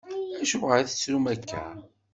Acuɣer i tettrum akka?